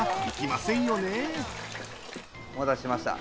お待たせしました。